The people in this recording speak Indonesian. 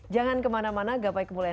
jangan kemana mana gak baik memulainya